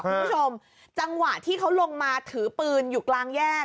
คุณผู้ชมจังหวะที่เขาลงมาถือปืนอยู่กลางแยก